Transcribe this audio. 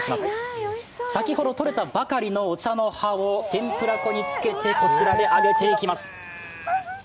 先ほどとれたばかりのお茶の葉を天ぷら粉につけてこちらで揚げていきます。